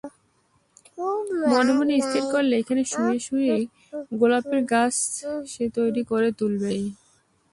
মনে মনে স্থির করলে এইখানে শুয়ে-শুয়েই গোলাপের গাছ সে তৈরি করে তুলবেই।